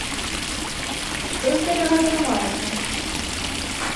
Што з гэтага атрымаецца?